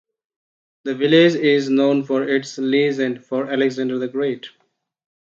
The village is known for its legend for Alexander the Great.